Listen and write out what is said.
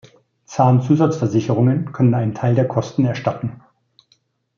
Zahn-Zusatzversicherungen können einen Teil der Kosten erstatten.